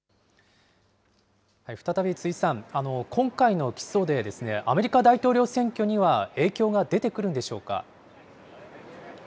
再び辻さん、今回の起訴で、アメリカ大統領選挙には影響が出てくるんでしょうか。